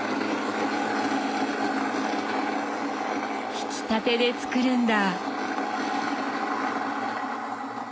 ひきたてで作るんだ！